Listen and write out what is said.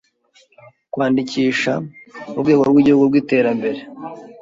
kuwandikisha mu Rwego rw’Igihugu rw’Iterambere